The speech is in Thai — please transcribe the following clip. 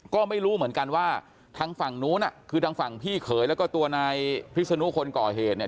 ก็ไม่รู้เหมือนกันว่าทางฝั่งนู้นคือทางฝั่งพี่เขยแล้วก็ตัวนายพิศนุคนก่อเหตุเนี่ย